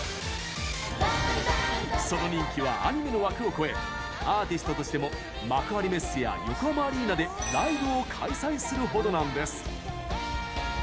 その人気はアニメの枠を超えアーティストとしても幕張メッセや横浜アリーナでライブを開催するほどなんです。